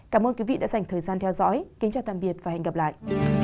cảm ơn quý vị đã dành thời gian theo dõi kính chào tạm biệt và hẹn gặp lại